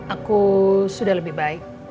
aku sudah lebih baik